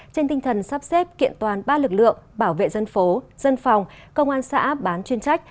trên tinh thần sắp xếp kiện toàn ba lực lượng bảo vệ dân phố dân phòng công an xã bán chuyên trách